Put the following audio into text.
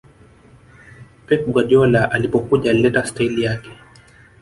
pep guardiola alipokuja alileta staili yake